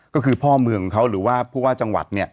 ก็คือพ่อเมืองของเขาหรือว่าพวกจังหวัด